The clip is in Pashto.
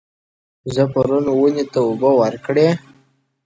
زه پرون ونې ته اوبه ورکړې؟